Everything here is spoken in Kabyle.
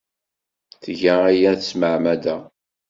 Tga aya s tmeɛmada.